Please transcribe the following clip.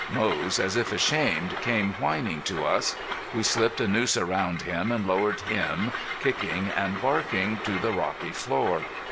Moze, as if ashamed, came whining to us. We slipped a noose around him and lowered him, kicking and barking, to the rocky floor.